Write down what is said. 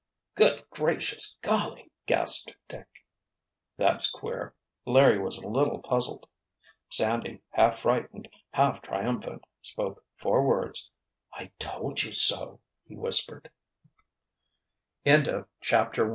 "Good gracious golly!" gasped Dick. "That's queer!" Larry was a little puzzled. Sandy, half frightened, half triumphant, spoke four words: "I told you so," he whispere